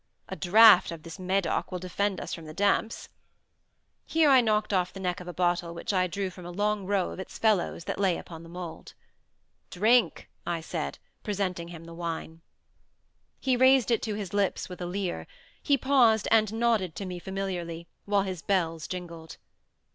A draught of this Medoc will defend us from the damps." Here I knocked off the neck of a bottle which I drew from a long row of its fellows that lay upon the mould. "Drink," I said, presenting him the wine. He raised it to his lips with a leer. He paused and nodded to me familiarly, while his bells jingled.